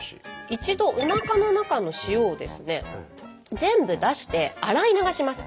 一度おなかの中の塩をですね全部出して洗い流します。